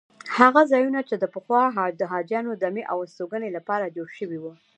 هغه ځایونه چې پخوا د حاجیانو دمې او استوګنې لپاره جوړ شوي.